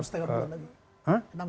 enam setengah bulan lagi